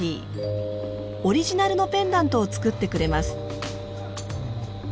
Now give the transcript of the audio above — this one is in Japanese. オリジナルのペンダントをつくってくれます。